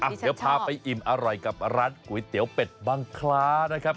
เดี๋ยวพาไปอิ่มอร่อยกับร้านก๋วยเตี๋ยวเป็ดบังคล้านะครับ